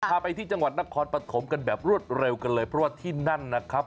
พาไปที่จังหวัดนครปฐมกันแบบรวดเร็วกันเลยเพราะว่าที่นั่นนะครับ